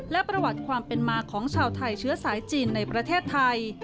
และประวัติความเป็นมาของชาวไทยเชื้อสายจีนในประเทศไทย